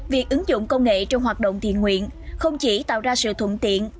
việc ứng dụng công nghệ trong hoạt động thiện nguyện không chỉ tạo ra sự thụn tiện